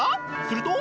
すると。